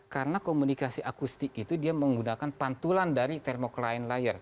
karena komunikasi akustik itu dia menggunakan pantulan dari thermocline layer